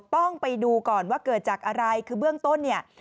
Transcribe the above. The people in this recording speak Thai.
ต้องไปดูก่อนว่าเกิดจากอะไรคือเบื้องต้นเนี่ย